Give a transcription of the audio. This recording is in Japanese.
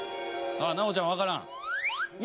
奈央ちゃんわからん？